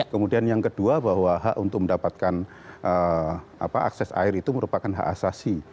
kemudian yang kedua bahwa hak untuk mendapatkan akses air itu merupakan hak asasi